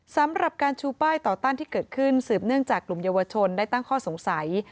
สำหรับการชูป้ายต่อต้านที่เกิดขึ้นสืบเนื่องจากกลุ่มเยาวชนได้ตั้งข้อสงสัย